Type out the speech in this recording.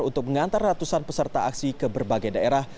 untuk mengantar ratusan peserta aksi ke berbagai daerah